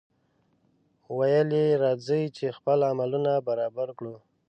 ویل یې راځئ! چې خپل عملونه برابر کړو.